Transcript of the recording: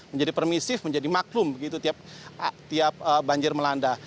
menjadi permisif menjadi maklum begitu tiap banjir melanda